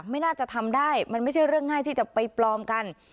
ไม่น่าจะทำได้มันไม่ใช่เรื่องง่ายที่จะไปปลอมกัน